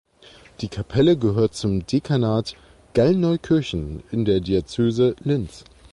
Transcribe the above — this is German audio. Die Kapelle gehört zum Dekanat Gallneukirchen in der Diözese Linz.